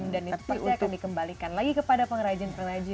dan itu akan dikembalikan lagi kepada pengrajin pengrajin